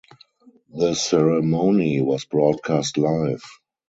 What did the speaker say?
The ceremony was broadcast live.